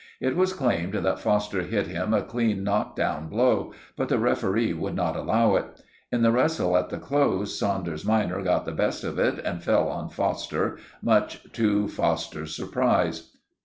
It was claimed that Foster hit him a clean knock down blow, but the referee would not allow it. In the wrestle at the close Saunders minor got the best of it, and fell on Foster, much to Foster's surprise.